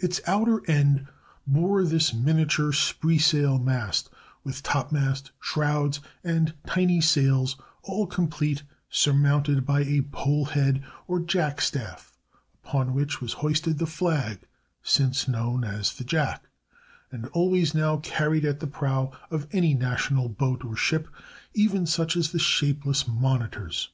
Its outer end bore this miniature spritsail mast, with topmast, shrouds, and tiny sails all complete, surmounted by a pole head, or jack staff, upon which was hoisted the flag since known as the jack, and always now carried at the prow of any national boat or ship, even such as the shapeless monitors.